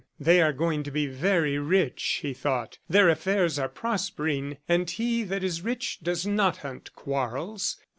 "They are going to be very rich," he thought. "Their affairs are prospering, and he that is rich does not hunt quarrels.